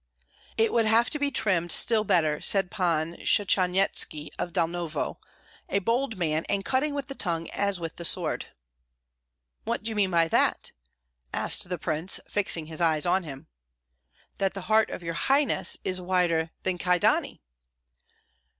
"It would have to be trimmed still better," said Pan Shchanyetski of Dalnovo, a bold man, and cutting with the tongue as with the sword. "What do you mean by that?" asked the prince, fixing his eyes on him. "That the heart of your highness is wider than Kyedani."